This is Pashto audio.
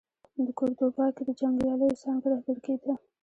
د کوردوبا کې د جنګیاليو څانګه رهبري کېده.